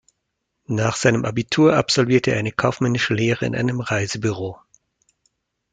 Nach seinem Abitur absolvierte er eine kaufmännische Lehre in einem Reisebüro.